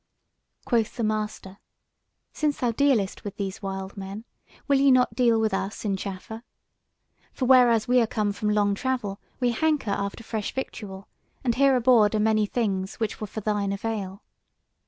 Quoth the master: "Since thou dealest with these wild men, will ye not deal with us in chaffer? For whereas we are come from long travel, we hanker after fresh victual, and here aboard are many things which were for thine avail."